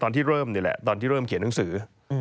ตอนที่เริ่มนี่แหละตอนที่เริ่มเขียนหนังสือ